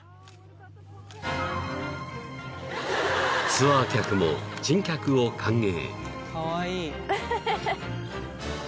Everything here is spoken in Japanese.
［ツアー客も珍客を歓迎］